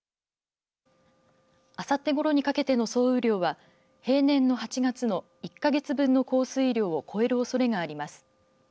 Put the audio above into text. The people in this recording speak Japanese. あさってごろにかけての総雨量は平年の８月の１か月分の降水量を超えるおそれがあります。